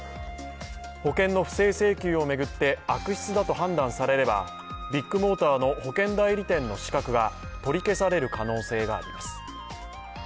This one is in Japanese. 保険の不正請求を巡って悪質だと判断されればビッグモーターの保険代理店の資格が取り消される可能性があります。